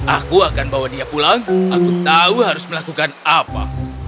aku akan bawa dia pulang aku tahu harus melakukan apa